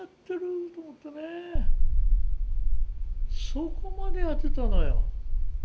そこまでやってたのよ。